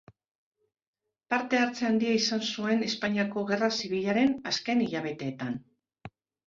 Parte-hartze handia izan zuen Espainiako Gerra Zibilaren azken hilabeteetan.